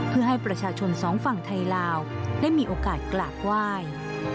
เพื่อให้ประชาชนสองฝั่งไทยลาวได้มีโอกาสกราบไหว้